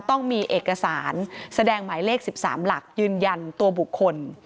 ต้องมีเอกสารแสดงหมายเลข๑๓หลักยืนยันตัวบุคคล